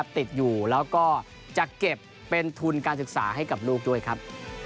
ติดอยู่แล้วก็จะเก็บเป็นทุนการศึกษาให้กับลูกด้วยครับ